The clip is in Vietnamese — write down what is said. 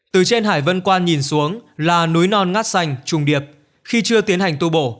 từ trên hải vân quan nhìn xuống là núi non ngắt sành trùng điệp khi chưa tiến hành tu bổ